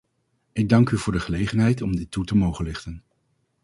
Ik dank u voor de gelegenheid om dit toe te mogen lichten.